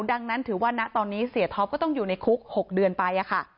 ดังนั้นถือว่าณตอนนี้เสียท็อปก็ต้องอยู่ในคุก๖เดือนไปค่ะ